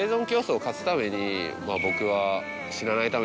僕は。